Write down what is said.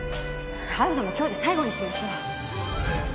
会うのも今日で最後にしましょう。